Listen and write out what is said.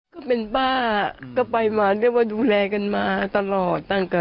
ก็เป็นป้าอ่ะก็ไปมาดูแรกกันมาตลอดต่างกัน